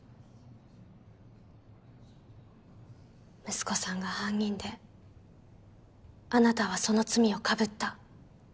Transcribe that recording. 息子さんが犯人であなたはその罪を被った。